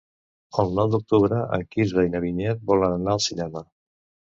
El nou d'octubre en Quirze i na Vinyet volen anar al cinema.